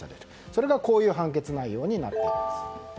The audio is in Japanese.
これがこういう判決内容になっています。